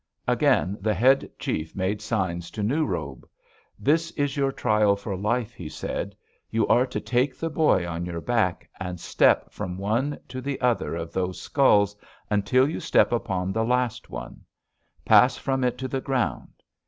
"Again the head chief made signs to New Robe: 'There is your trial for life,' he said. 'You are to take the boy on your back, and step from one to the other of those skulls until you step upon the last one; pass from it to the ground.